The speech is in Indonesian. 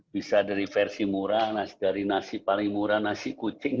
bisa dari versi murah dari nasi paling murah nasi kucing